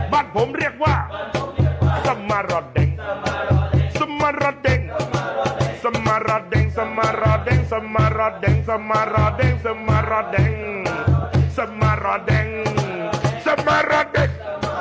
บัตรผมเรียกว่าสมาราเด็ง